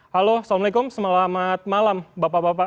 halo assalamualaikum selamat malam bapak bapak